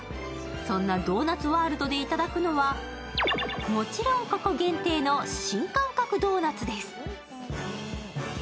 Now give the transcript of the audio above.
そんなドーナツ・ワールドで頂くのは、もちろん、ここ限定の新感覚ドーナツです。